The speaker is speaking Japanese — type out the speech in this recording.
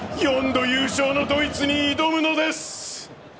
４度優勝のドイツに挑むのです！